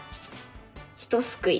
ひとすくい。